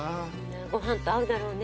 ご飯と合うだろうね。